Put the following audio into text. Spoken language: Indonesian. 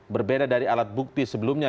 berbeda dari alat bukti sebelumnya